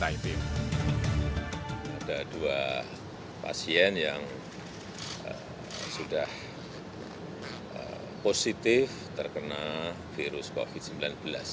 ada dua pasien yang sudah positif terkena virus covid sembilan belas